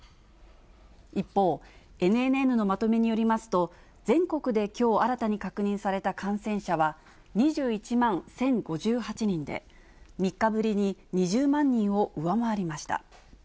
一方、ＮＮＮのまとめによりますと、全国できょう新たに確認された感染者は２１万１０５８人で、３日ぶりに２０万人を上回りました。